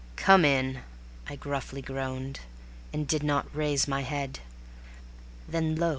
. "Come in," I gruffly groaned; I did not raise my head, Then lo!